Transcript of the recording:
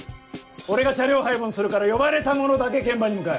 俺が車両配分するから呼ばれた者だけ現場に向かえ。